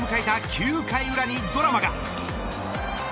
９回裏にドラマが。